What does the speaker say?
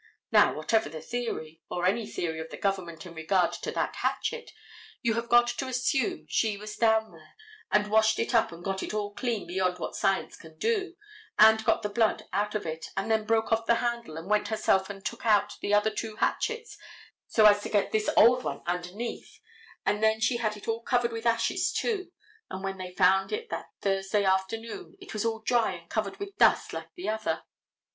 Now, whatever the theory, or any theory of the government in regard to that hatchet, you have got to assume she was down there and washed it up and got it all clean beyond what science can do, and got the blood out of it, and then broke off the handle, and went herself and took out the other two hatchets so as to get this old one underneath, and then she had it all covered with ashes, too. And when they found it that Thursday afternoon it was all dry and covered with dust like the other.